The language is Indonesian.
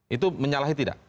itu menyalahi tidak